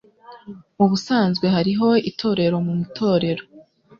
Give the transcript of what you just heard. Mubusanzwe hariho itorero mu itorero.